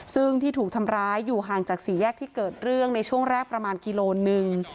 ซึ่งที่ถูกทำร้ายอยู่ห่างจากสี่แยกที่เกิดเรื่องในช่วงแรกประมาณกิโลหนึ่ง